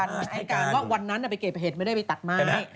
ให้การว่าวันนั้นไปเก็บเห็ดไม่ได้ไปตัดไม้